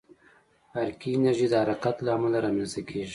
حرکي انرژي د حرکت له امله رامنځته کېږي.